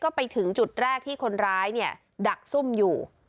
ก็ไปถึงจุดแรกที่คนร้ายเนี่ยดักซุ่มอยู่